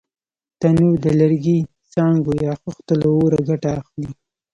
تنور د لرګي، څانګو یا خښتو له اوره ګټه اخلي